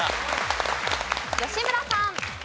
吉村さん。